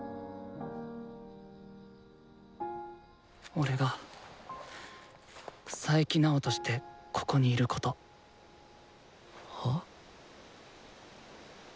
俺が佐伯直としてここにいること。は？